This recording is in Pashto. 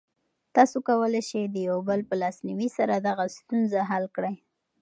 تاسو کولی شئ د یو بل په لاسنیوي سره دغه ستونزه حل کړئ.